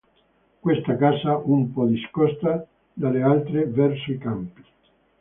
Questa casa, un po' discosta dalle altre, verso i campi.